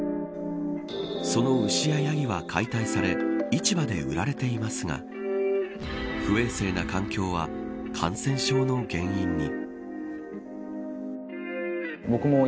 その牛やヤギは解体され市場で売られていますが不衛生な環境は感染症の原因に。